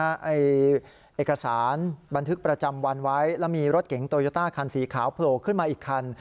เอกสารบันทึกประจำวันไว้แล้วมีรถเก๋งโตโยต้าคันสีขาวโผล่ขึ้นมาอีกคัน